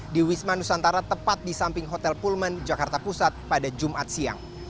di wisma nusantara tepat di samping hotel pullman jakarta pusat pada jumat siang